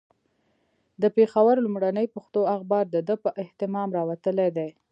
د پېښور لومړنی پښتو اخبار د ده په اهتمام راوتلی دی.